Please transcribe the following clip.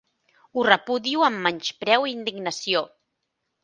Ho repudio amb menyspreu i indignació.